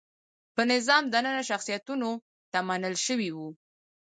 په نظام دننه شخصیتونو ته منل شوي وو.